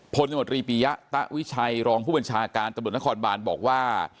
พลตมตรีปียะตะวิชัยรองผู้บัญชาการตำรวจนครบานบอกว่า